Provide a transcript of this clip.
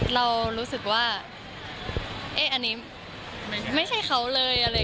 เรารู้สึกว่าอันนี้ไม่ใช่เขาเลย